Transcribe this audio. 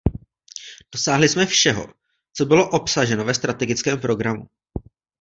Dosáhli jsme všeho, co bylo obsaženo ve strategickém programu.